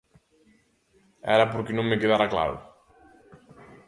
Era porque non me quedara claro.